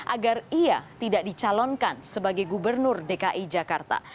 agar ia tidak dicalonkan sebagai gubernur dki jakarta